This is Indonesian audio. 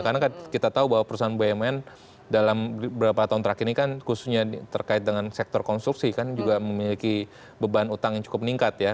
karena kita tahu bahwa perusahaan bumn dalam beberapa tahun terakhir ini kan khususnya terkait dengan sektor konstruksi kan juga memiliki beban utang yang cukup meningkat ya